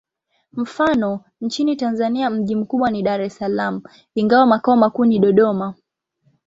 Mfano: nchini Tanzania mji mkubwa ni Dar es Salaam, ingawa makao makuu ni Dodoma.